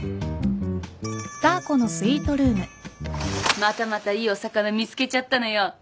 またまたいいオサカナ見つけちゃったのよ。